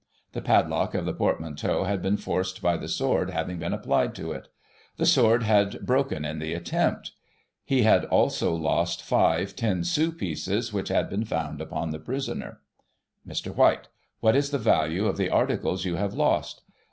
The padlock of the portmanteau had been forced by the sword having been applied to it. The sword had broken in Digiti ized by Google 1838] "THE BOY JONES." 75 the attempt. He had also lost five 10 sous pieces, which had been found upon the prisoner Mr. White : What is the value of the articles you have lost?